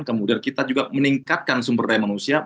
kemudian kita juga meningkatkan sumber daya manusia